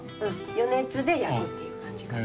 余熱で焼くっていう感じかな。